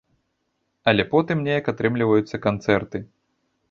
Але потым неяк атрымліваюцца канцэрты.